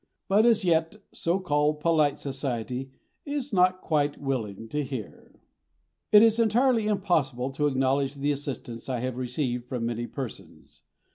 But as yet so called polite society is not quite willing to hear. It is entirely impossible to acknowledge the assistance I have received from many persons.